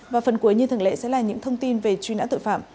và phần cuối như thường lệ sẽ là những thông tin về truy nã tội phạm